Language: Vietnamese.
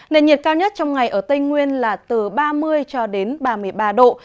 nền nhiệt cao nhất trong ngày ở tây nguyên là từ ba mươi cho đến ba mươi ba độ